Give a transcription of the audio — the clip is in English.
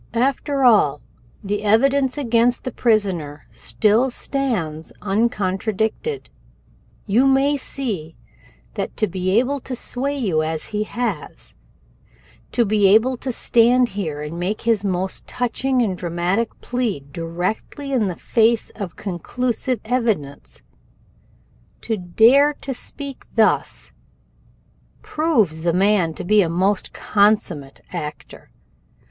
"After all, the evidence against the prisoner still stands uncontradicted. You may see that to be able to sway you as he has, to be able to stand here and make his most touching and dramatic plea directly in the face of conclusive evidence, to dare to speak thus, proves the man to be a most consummate actor.